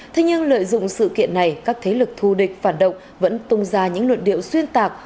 thế nhưng lợi dụng sự kiện này các thế lực thù địch phản động vẫn tung ra những luận điệu xuyên tạc